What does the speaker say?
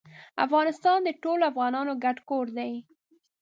افغانستان د ټولو افغانانو ګډ کور دی.